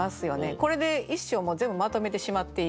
これで一首を全部まとめてしまっている。